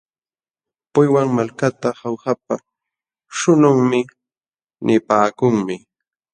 Puywan malkata Jaujapa śhunqunmi nipaakunmi.